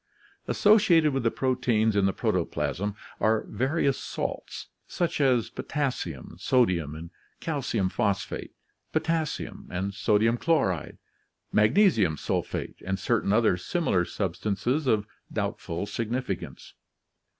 Associated with the proteins in the protoplasm are various salts, such as potassium, sodium, and calcium phosphate, potassium and sodium chloride, magnesium sulphate, and certain other similar substances of doubtful significance.